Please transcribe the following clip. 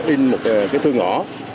in một cái thư ngõ